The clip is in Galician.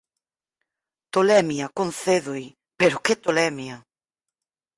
Tolemia, concédoo; pero que tolemia!